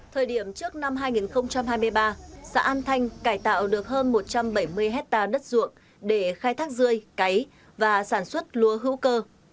thời điểm trước năm hai nghìn hai mươi ba xã an thanh cải tạo được hơn một trăm bảy mươi hectare đất ruộng để khai thác rươi cấy và sản xuất lúa hữu cơ